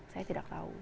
saya tidak tahu